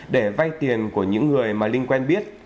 để vay tiền của những người mà linh quen biết